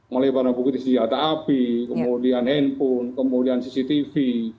mulai dari barang bukti sijil atas api kemudian handphone kemudian cctv